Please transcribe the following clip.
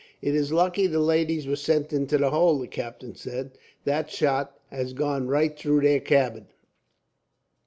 "It is lucky the ladies were sent into the hold," the captain said. "That shot has gone right through their cabin.